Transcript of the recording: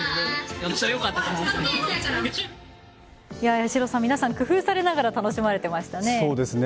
八代さん皆さん、工夫されながら楽しまれていましたね。